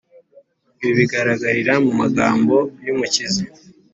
. Ibi bigaragarira mu magambo y’Umukiza